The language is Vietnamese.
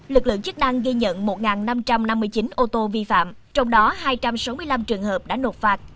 lực lượng chức năng ghi nhận một năm trăm năm mươi chín ô tô vi phạm trong đó hai trăm sáu mươi năm trường hợp đã nộp phạt